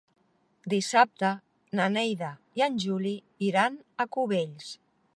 Dissabte na Neida i en Juli iran a Cubells.